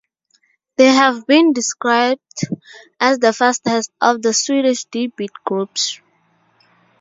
They have been described as the fastest of the Swedish D-beat groups.